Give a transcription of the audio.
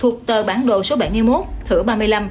thuộc tờ bản đồ số bảy mươi một thửa ba mươi năm